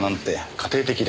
家庭的で。